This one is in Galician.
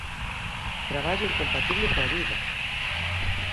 ¡Traballo incompatible coa vida!